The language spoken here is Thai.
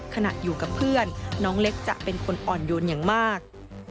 ขณะอยู่กับเพื่อนน้องเล็กจะเป็นคนอ่อนโยนอย่างมาก